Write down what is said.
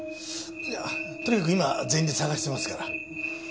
いやとにかく今全員で捜してますから。